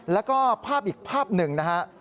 แล้วก็ภาพอีกภาพหนึ่งนะฮะ